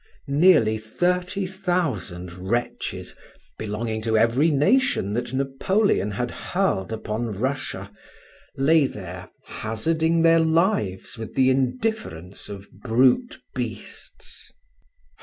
Nearly thirty thousand wretches, belonging to every nation that Napoleon had hurled upon Russia, lay there hazarding their lives with the indifference of brute beasts.